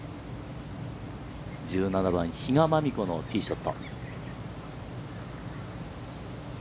１７番、比嘉真美子のティーショット。